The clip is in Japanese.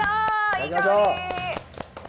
いい香り！